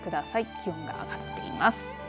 気温が上がっています。